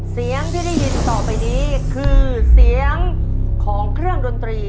ซึ่งเป็นคำตอบที่